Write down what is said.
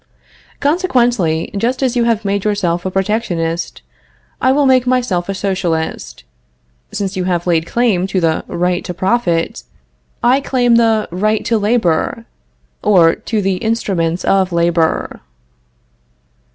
Consequently, just as you have made yourself a protectionist, I will make myself a socialist. Since you have laid claim to the right to profit, I claim the right to labor, or to the instruments of labor.